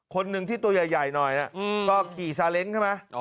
คนหนึ่งที่ตัวใหญ่หน่อยก็ขี่ซาเล้งใช่ไหม